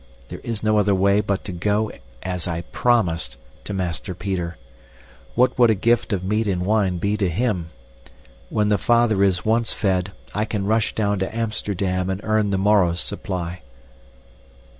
There is no other way but to go, as I PROMISED, to Master Peter. What would a gift of meat and wine be to him? When the father is once fed, I can rush down to Amsterdam and earn the morrow's supply."